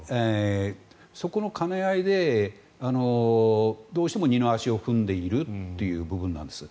そこの兼ね合いでどうしても二の足を踏んでいるという部分なんです。